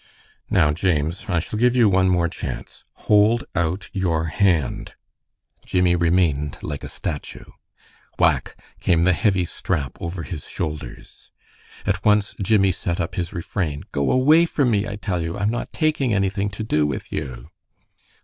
"Now, James, I shall give you one more chance. Hold out your hand." Jimmie remained like a statue. Whack! came the heavy strap over his shoulders. At once Jimmie set up his refrain, "Go away from me, I tell you! I'm not taking anything to do with you!"